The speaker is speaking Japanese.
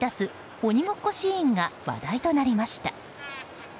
鬼ごっこシーンが話題となりました。